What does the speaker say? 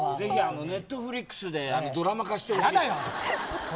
Ｎｅｔｆｌｉｘでドラマ化してほしい。